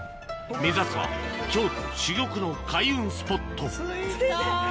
目指すは京都珠玉の開運スポット着いた！